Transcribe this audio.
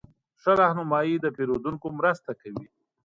ښه رهنمایي د پیرودونکو مرسته کوي.